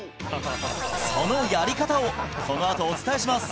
そのやり方をこのあとお伝えします